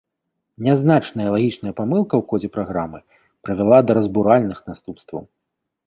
Нязначная лагічная памылка ў кодзе праграмы прывяла да разбуральных наступстваў.